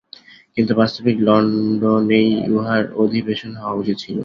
কিন্তু বাস্তবিক লণ্ডনেই উহার অধিবেশন হওয়া উচিত ছিল।